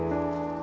gak ada apa apa